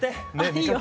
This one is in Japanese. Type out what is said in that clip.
いいよ。